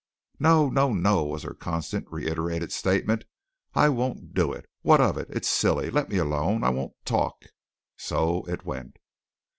"No, no, no!" was her constantly reiterated statement. "I won't do it! What of it? It's silly! Let me alone! I won't talk!" So it went.